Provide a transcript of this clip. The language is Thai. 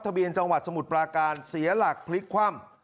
เบียนจังหวัดสมุทรปราการเสียหลักพลิกคว่ำ